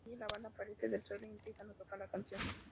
De allí, la banda aparece del suelo y empiezan a tocar la canción.